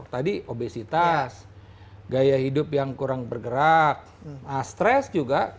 tadi obesitas gaya hidup yang kurang bergerak stres juga